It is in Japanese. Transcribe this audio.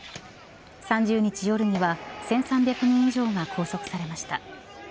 ３０日夜には、１３００人以上が拘束されました。